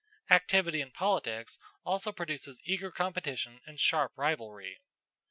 Activity in politics also produces eager competition and sharp rivalry.